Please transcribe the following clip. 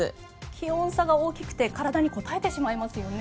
気温差が大きくて体にこたえてしまいますよね。